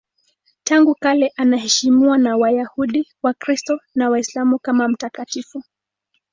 Tangu kale anaheshimiwa na Wayahudi, Wakristo na Waislamu kama mtakatifu.